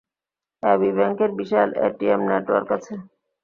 AB ব্যাংকের বিশাল ATM network আছে।